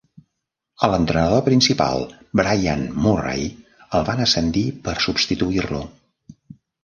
A l'entrenador principal, Bryan Murray, el van ascendir per substituir-lo.